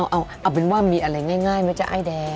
เอาเอาเป็นว่ามีอะไรง่ายเมื่อจะอ้ายแดง